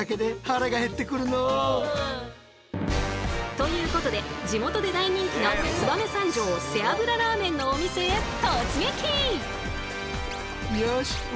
ということで地元で大人気の「燕三条背脂ラーメン」のお店へ突撃！